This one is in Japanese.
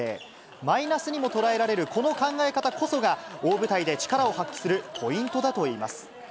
マイナスにも捉えられるこの考え方こそが、大舞台で力を発揮するポイントだといいます。